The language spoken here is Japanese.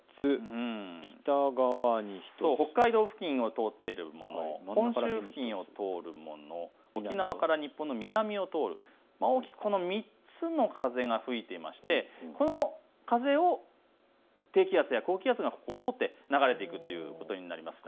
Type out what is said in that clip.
北側に１つ、北海道付近を通っているもの、本州付近を通るもの、沖縄から日本の南を通るもの、大きくこの３つの風が吹いていましてこの風低気圧や高気圧がここを通って流れていくということになります。